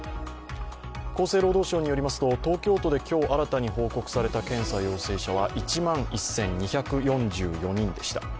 厚生労働省によりますと、東京都で今日新たに報告された検査陽性者は１万１２４４人でした。